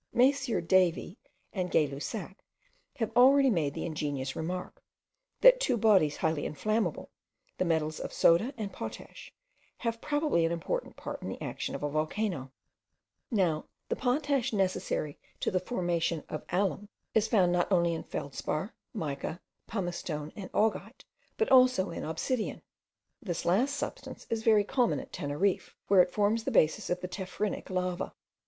MM. Davy and Gay Lussac have already made the ingenious remark, that two bodies highly inflammable, the metals of soda and potash, have probably an important part in the action of a volcano; now the potash necessary to the formation of alum is found not only in feldspar, mica, pumice stone, and augite, but also in obsidian. This last substance is very common at Teneriffe, where it forms the basis of the tephrinic lava.